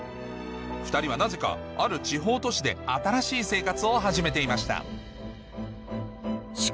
２人はなぜかある地方都市で新しい生活を始めていました